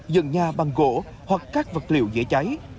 dựng nhà bằng gỗ hoặc các vật liệu dễ cháy